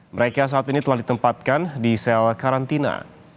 mereka saat ini telah ditempatkan di sel karantina